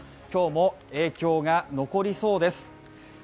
今日も影響が残りそうです。